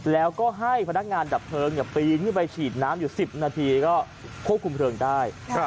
แล้วก็ให้พนักงานดับเพลิงปีนขึ้นไปฉีดน้ำอยู่๑๐นาทีก็ควบคุมเพลิงได้